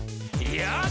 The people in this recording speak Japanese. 「よし！」